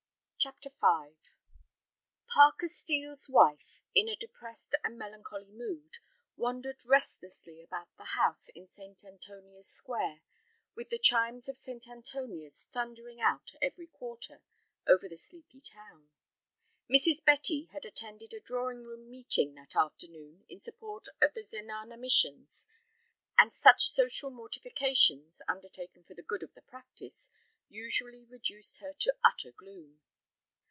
CHAPTER V Parker Steel's wife, in a depressed and melancholy mood, wandered restlessly about the house in St. Antonia's Square, with the chimes of St. Antonia's thundering out every "quarter" over the sleepy town. Mrs. Betty had attended a drawing room meeting that afternoon in support of the zenana missions, and such social mortifications, undertaken for the good of the "practice," usually reduced her to utter gloom.